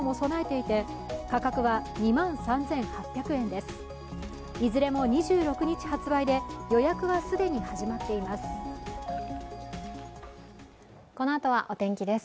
いずれも２６日発売で予約は既に始まっています。